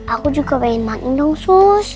aku juga pengen makan dong sus